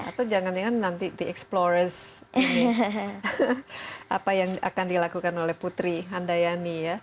atau jangan jangan nanti di explores apa yang akan dilakukan oleh putri handayani ya